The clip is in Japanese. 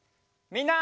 みんな！